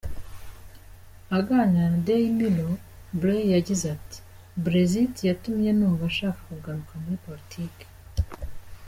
Aganira na Daily Mirror, Blair yagize ati " Brexit yatumye numva nshaka kugaruka muri politiki.